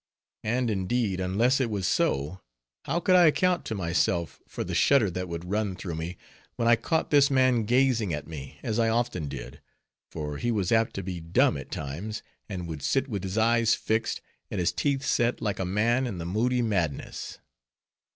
And indeed, unless it was so, how could I account to myself, for the shudder that would run through me, when I caught this man gazing at me, as I often did; for he was apt to be dumb at times, and would sit with his eyes fixed, and his teeth set, like a man in the moody madness.